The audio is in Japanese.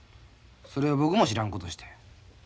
それを僕も知らんことして。